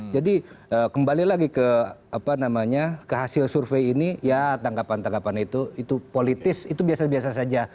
jadi kembali lagi ke apa namanya ke hasil survei ini ya tanggapan tanggapan itu politis itu biasa biasa saja